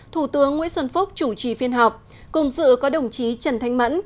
thủ tướng nguyễn xuân phúc chủ trì phiên họp cùng dự có đồng chí trần thanh mẫn